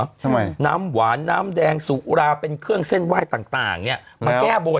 ทำไมน้ำหวานน้ำแดงสุราเป็นเครื่องเส้นไหว้ต่างต่างเนี้ยมาแก้บน